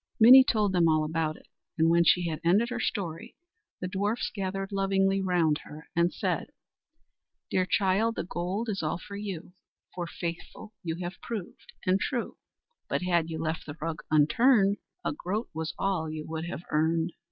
Minnie told them all about it; and when she had ended her story, the dwarfs gathered lovingly round her and said: "Dear child, the gold is all for you, For faithful you have proved and true; But had you left the rug unturned, A groat was all you would have earned.